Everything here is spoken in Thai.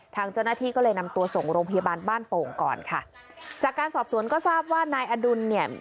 ทางเจ้าหน้าที่ก็เลยนำตัวส่งโรงพยาบาลบ้านโป่งก่อนค่ะจากการสอบสวนก็ทราบว่านายอดุลเนี่ย